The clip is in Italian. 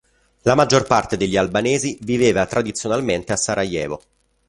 La maggior parte degli albanesi viveva tradizionalmente a Sarajevo.